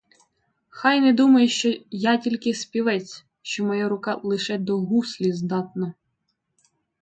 Хай не думають, що я тільки співець, що моя рука лише до гуслі здатна.